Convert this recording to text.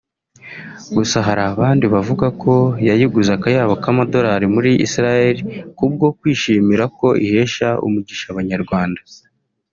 Gusa hari abandi bavuga ko yayiguze akayabo k'amadorali muri Israel kubwo kwishimira ko ihesha umugisha abanyarwanda